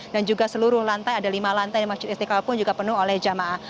dan juga seluruh lantai ada lima lantai di masjid istiqlal pun juga penuh oleh jamaah